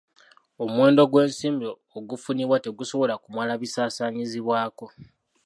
Omuwendo gw'ensimbi ogufunibwa tegusobola kumala bisaasaanyizibwako.